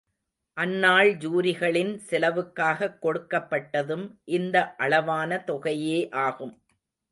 அந்நாள் ஜூரிகளின் செலவுக்காகக் கொடுக்கப்பட்டதும் இந்த அளவான தொகையே ஆகும்.